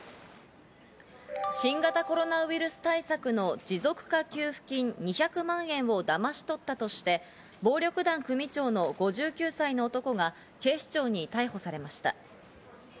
新型コロナウイルス対策の持続化給付金２００万円をだまし取ったとして、暴力団組長の５９歳の男が警視庁に逮捕されました。